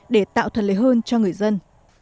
để tạo thật lời hơn cho người dân